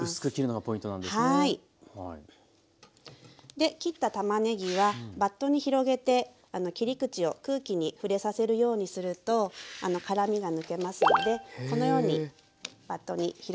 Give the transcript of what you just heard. で切ったたまねぎはバットに広げて切り口を空気に触れさせるようにすると辛みが抜けますのでこのようにバットに広げて下さい。